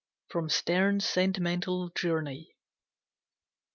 Sterne's 'Sentimental Journey'.